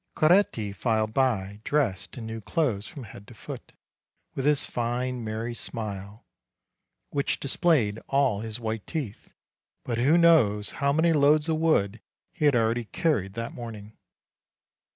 Coretti filed by, dressed in new clothes from head to foot, with his fine, merry smile, which displayed all his white teeth; but who knows how many loads of wood he had already THE DISTRIBUTION OF PRIZES 183 carried that morning